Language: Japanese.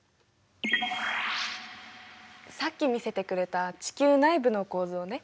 さっき見せてくれた地球内部の構造ね。